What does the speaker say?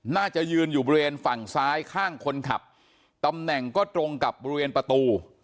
น่าจะยืนอยู่บริเวณฝั่งซ้ายข้างคนขับตำแหน่งก็ตรงกับบริเวณประตู